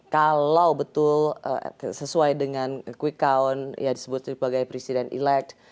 kalau betul sesuai dengan quick count ya disebut sebagai presiden elect